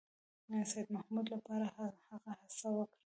سیدمحمود لپاره هغه څه وکړل.